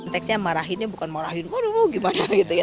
tekstnya marahin bukan marahin waduh gimana gitu ya